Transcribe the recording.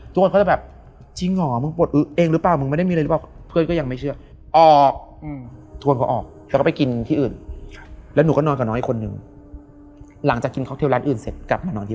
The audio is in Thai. สิ่งไม่ดีมาแน่ครับยิ่งกว่านี้